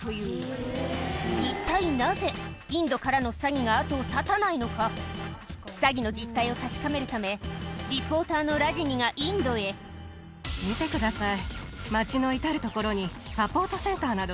ジムによるとこういう詐欺の実態を確かめるためリポーターのラジニがインドへ見てください。